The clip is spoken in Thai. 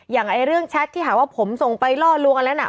อย่างเรื่องแชทที่หาว่าผมส่งไปล่อลวงอันนั้นน่ะ